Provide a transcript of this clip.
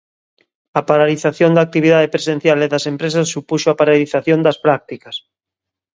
A paralización da actividade presencial e das empresas supuxo a paralización das prácticas.